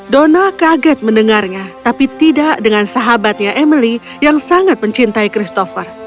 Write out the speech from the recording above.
dona kaget mendengarnya tapi tidak dengan sahabatnya emily yang sangat mencintai christopher